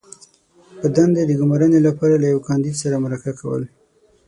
-په دندې د ګمارنې لپاره له یوه کاندید سره مرکه کول